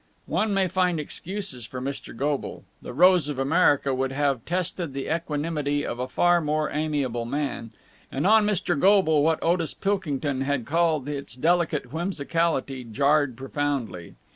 One may find excuses for Mr. Goble. "The Rose of America" would have tested the equanimity of a far more amiable man: and on Mr. Goble what Otis Pilkington had called its delicate whimsicality jarred profoundly.